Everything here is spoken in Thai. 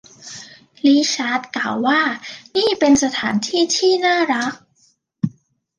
ริชาร์ดกล่าวว่านี่เป็นสถานที่ที่น่ารัก